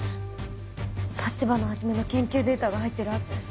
立花始の研究データが入ってるはず。